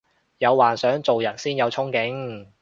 有幻想做人先有沖勁